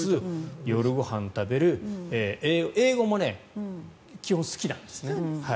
夜ご飯食べる英語も基本、好きなんですね。